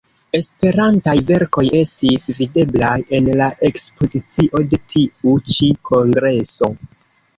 Esperantaj verkoj estis videblaj en la ekspozicio de tiu ĉi kongreso.